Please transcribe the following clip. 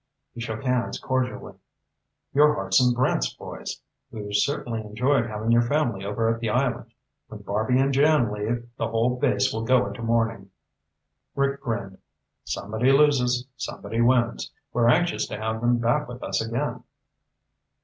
He shook hands cordially. "You're Hartson Brant's boys. We've certainly enjoyed having your family over at the island. When Barby and Jan leave, the whole base will go into mourning." Rick grinned. "Somebody loses, somebody wins. We're anxious to have them back with us again."